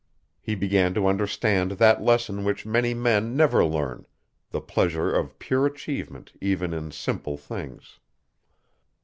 He began to understand that lesson which many men never learn, the pleasure of pure achievement even in simple things.